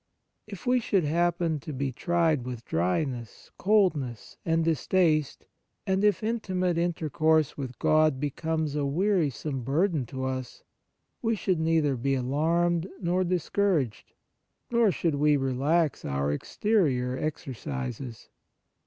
If we should happen to be tried with dryness, coldness and distaste, and if intimate intercourse with God becomes a wearisome burden to us, we should neither be alarmed nor dis couraged, nor should we relax our exterior exercises.